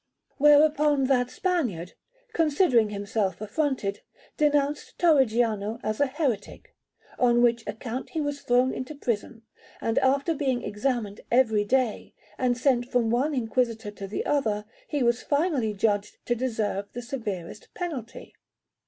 Whereupon that Spaniard, considering himself affronted, denounced Torrigiano as a heretic; on which account he was thrown into prison, and after being examined every day, and sent from one inquisitor to the other, he was finally judged to deserve the severest penalty.